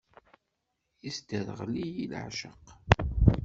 Isderɣel-iyi leɛceq.